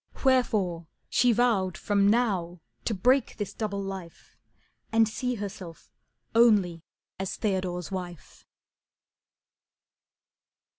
Wherefore She vowed from now to break this double life And see herself only as Theodore's wife.